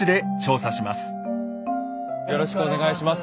よろしくお願いします。